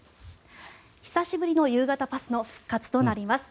久しぶりの夕方パスの復活となります。